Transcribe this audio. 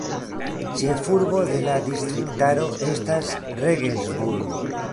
Ĉefurbo de la distriktaro estas Regensburg.